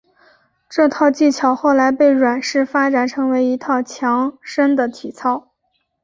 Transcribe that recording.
这套技巧后来被阮氏发展成为一套强身的体操。